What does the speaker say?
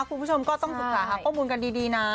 คุณผู้ชมก็ต้องศึกษาหาข้อมูลกันดีนะ